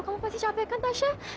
kamu pasti capek kan tasyah